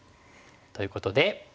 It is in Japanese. ということで。